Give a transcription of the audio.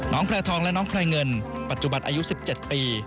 น้องแพลทองและน้องแพลเงินปัจจุบัติอายุ๑๗ปี